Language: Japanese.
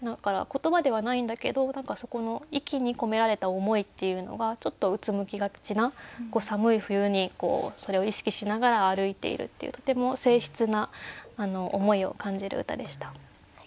言葉ではないんだけどそこの息に込められた思いっていうのがちょっとうつむきがちな寒い冬にそれを意識しながら歩いているっていうとても静ひつな思いを感じる歌でした。